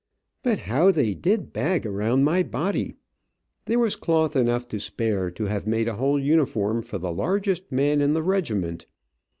But how they did bag around my body. There was cloth enough to spare to have made a whole uniform for the largest man in the regiment.